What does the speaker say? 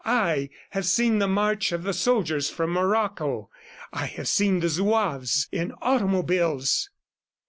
"I have seen the march of the soldiers from Morocco. ... I have seen the Zouaves in automobiles!"